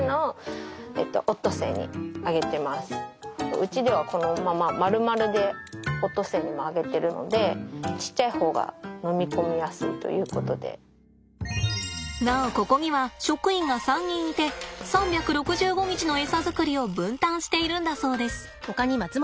うちではこのまま丸々でオットセイにもあげてるのでなおここには職員が３人いて３６５日のエサ作りを分担しているんだそうです。